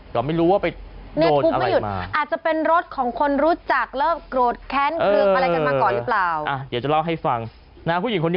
ก้อนหินทุบกระจกรถเก่งคันนี้